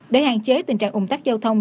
để hạn chế tình trạng ủng tác giao thông